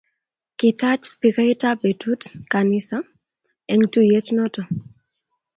Kitach spikait ab betut kanisa eng tuyet noto